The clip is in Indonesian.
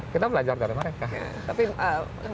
kita belajar dari mereka